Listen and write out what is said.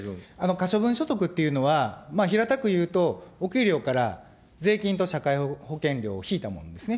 可処分所得っていうのは、平たくいうと、お給料から税金と社会保険料を引いたものですね。